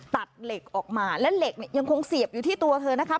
ตัดเหล็กออกมาและเหล็กเนี่ยยังคงเสียบอยู่ที่ตัวเธอนะคะ